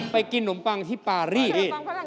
กินนมปังที่ปารี